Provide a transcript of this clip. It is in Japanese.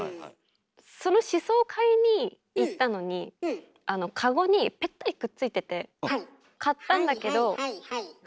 そのシソを買いに行ったのにカゴにペッタリくっついてて買ったんだけどああ。